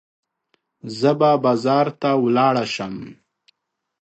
زه به بازار ته ولاړه شم.